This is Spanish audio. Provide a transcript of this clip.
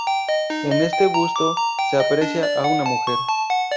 En este busto, se aprecia a una mujer.